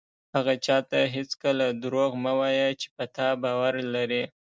هغه چاته هېڅکله دروغ مه وایه چې په تا باور لري.